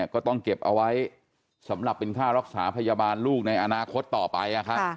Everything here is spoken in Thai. ก็ต้องเก็บเอาไว้สำหรับเป็นค่ารักษาพยาบาลลูกในอนาคตต่อไป